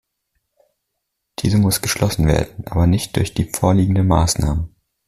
Diese muss geschlossen werden, aber nicht nur durch die vorliegenden Maßnahmen.